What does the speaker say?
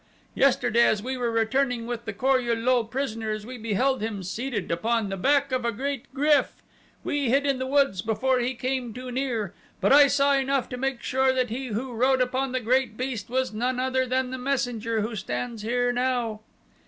Yesterday as we were returning with the Kor ul lul prisoners we beheld him seated upon the back of a great GRYF. We hid in the woods before he came too near, but I saw enough to make sure that he who rode upon the great beast was none other than the messenger who stands here now."